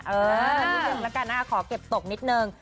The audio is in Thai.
เออนี่หนึ่งแล้วกันค่ะขอเก็บตกนิดนึง